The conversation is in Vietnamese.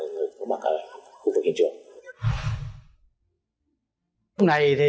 người có mặt ở khu vực hiện trường